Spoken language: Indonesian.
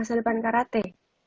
masa depan karate